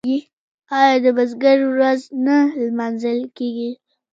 آیا د بزګر ورځ نه لمانځل کیږي؟